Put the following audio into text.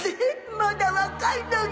まだ若いのに。